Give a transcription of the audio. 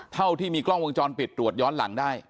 เท่าที่มีกล้องวงจรปิดตรวจย้อนหลังได้